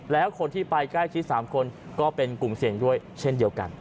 แล้วคนที่ไปใกล้ชิด๓คนก็เป็นกลุ่มเสี่ยงด้วยเช่นเดียวกัน